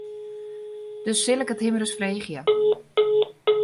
Dus sil ik it him ris freegje.